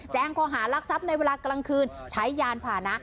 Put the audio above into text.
ข้อหารักทรัพย์ในเวลากลางคืนใช้ยานผ่านะ